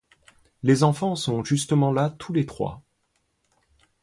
Les enfants sont justement là tous les trois.